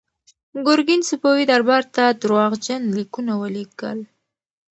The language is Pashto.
ګورګین صفوي دربار ته درواغجن لیکونه ولیکل.